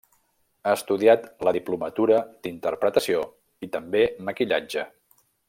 Ha estudiat la diplomatura d'interpretació i també maquillatge.